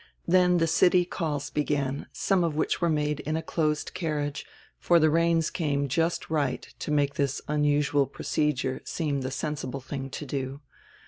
Then the city calls hegan, some of which were made in a closed carriage, for the rains came just right to make this unusual procedure seem the sensihle thing to do.